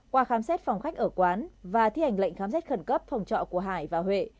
qua khám xét phòng khách ở quán và thi hành lệnh khám xét khẩn cấp phòng trọ của hải và huệ